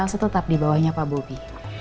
masih tetap di bawahnya pak bobi